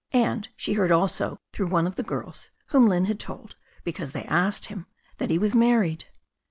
And she heard also, through one of the girls, whom Lynne had told, becauee they asked him, that he was married.